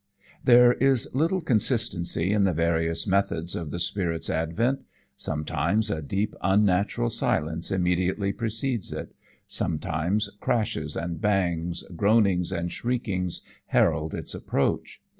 There is little consistency in the various methods of the spirit's advent: sometimes a deep unnatural silence immediately precedes it; sometimes crashes and bangs, groanings and shriekings, herald its approach.